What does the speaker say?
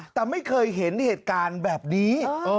แต่ไม่เคยเห็นเหตุการณ์แบบนี้